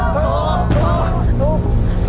ถูก